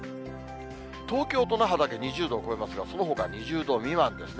東京と那覇だけ２０度を超えますが、そのほか２０度未満ですね。